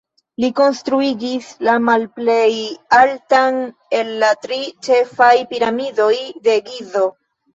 Li konstruigis la malplej altan el la tri ĉefaj Piramidoj de Gizo.